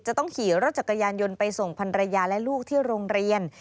จะต้องขี่รถจักรยานยนต์ไปส่งพันรยาและลูกที่โรงเรียน